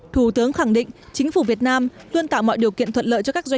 thủ tướng khẳng định chính phủ việt nam luôn tạo mọi điều kiện thuận lợi cho các doanh